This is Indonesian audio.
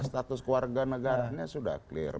nah status warga negaranya sudah clear